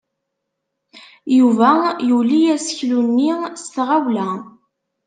Yuba yuley aseklu-nni s tɣawla.